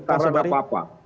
tidak ada getaran apa apa